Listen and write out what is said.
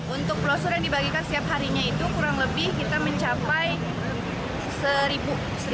untuk blosure yang dibagikan setiap harinya itu kurang lebih kita mencapai seribu